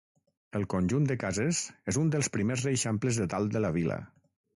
El conjunt de cases és un dels primers eixamples del Dalt de la Vila.